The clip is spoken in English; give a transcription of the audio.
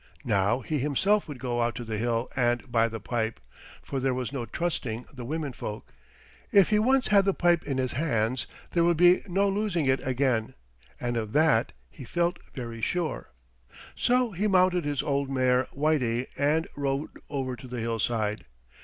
Now he himself would go out to the hill and buy the pipe, for there was no trusting the womenfolk. If he once had the pipe in his hands there would be no losing it again, and of that he felt very sure. So he mounted his old mare Whitey and rode over to the hillside.